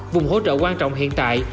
vùng hỗ trợ quan trọng hiện tại